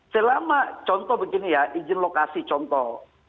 selama contoh begini ya izin lokasi contoh